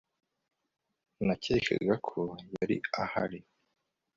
nakekaga ko yari ahari